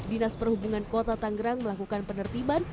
dinas perhubungan kota tanggerang melakukan penertiban